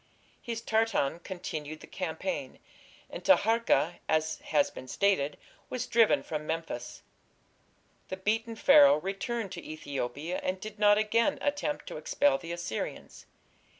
His Tartan continued the campaign, and Taharka, as has been stated, was driven from Memphis. The beaten Pharaoh returned to Ethiopia and did not again attempt to expel the Assyrians.